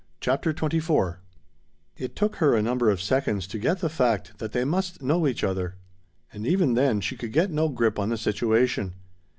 CHAPTER XXIV It took her a number of seconds to get the fact that they must know each other. And even then she could get no grip on the situation.